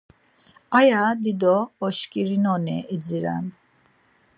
Aya dido oşkurinoni idziren.